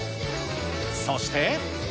そして。